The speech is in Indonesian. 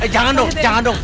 jangan dong jangan dong